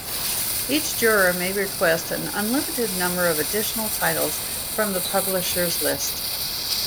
Each juror may request an unlimited number of additional titles from the publisher's lists.